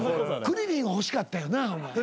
クリリンは欲しかったよな。